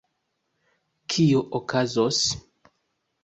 Kio okazos?